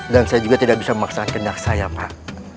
dan saya juga tidak bisa memaksakan jaksa ya pak